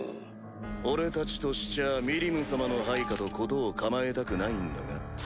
俺たちとしちゃあミリム様の配下と事を構えたくないんだが？